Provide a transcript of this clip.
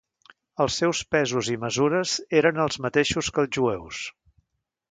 Els seus pesos i mesures eren els mateixos que els jueus.